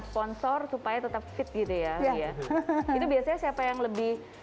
sponsor supaya tetap fit gitu ya iya itu biasanya siapa yang lebih